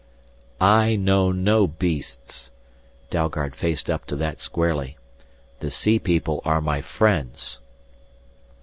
"I know no beasts," Dalgard faced up to that squarely. "The sea people are my friends!"